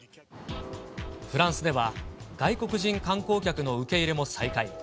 フランスでは、外国人観光客の受け入れも再開。